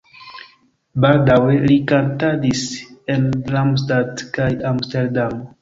Baldaŭe li kantadis en Darmstadt kaj Amsterdamo.